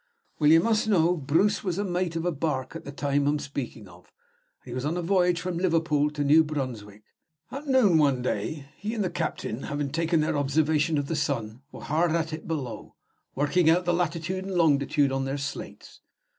Well, you must know, Bruce was mate of a bark at the time I'm speaking of, and he was on a voyage from Liverpool to New Brunswick. At noon one day, he and the captain, having taken their observation of the sun, were hard at it below, working out the latitude and longitude on their slates.